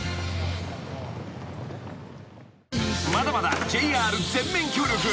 ［まだまだＪＲ全面協力］